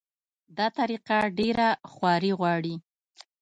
دا طریقه ډېره خواري غواړي.